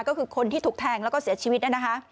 ก็คือคนที่ถูกแทงแล้วก็เสียชีวิตนะคะ